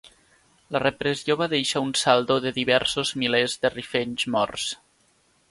La repressió va deixar un saldo de diversos milers de rifenys morts.